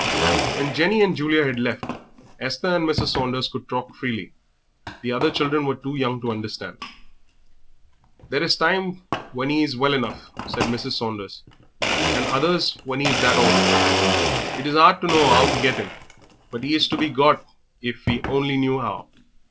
When Jenny and Julia had left, Esther and Mrs. Saunders could talk freely; the other children were too young to understand. "There is times when 'e is well enough," said Mrs. Saunders, "and others when 'e is that awful. It is 'ard to know 'ow to get him, but 'e is to be got if we only knew 'ow.